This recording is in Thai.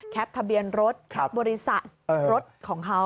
ทะเบียนรถบริษัทรถของเขา